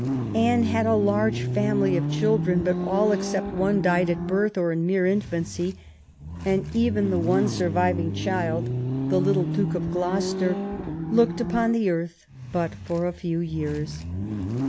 Anne had a large family of children, but all except one died at birth or in mere infancy, and even the one surviving child, the little Duke of Gloucester, looked upon the earth but for a few years.